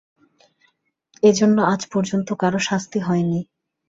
এজন্য আজ পর্যন্ত কারো শাস্তি হয়নি।